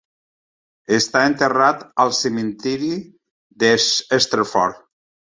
Està enterrat al cementiri de Stretford.